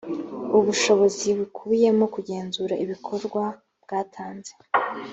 ubushobozi bukubiyemo kugenzura ibikorwa bwatanzwe